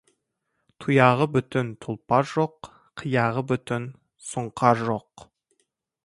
Тұяғы бүтін тұлпар жоқ, қияғы бүтін сұңқар жоқ.